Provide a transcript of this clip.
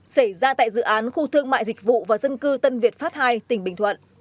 xảy ra tại dự án khu thương mại dịch vụ và dân cư tân việt pháp ii tỉnh bình thuận